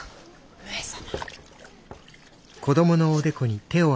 上様。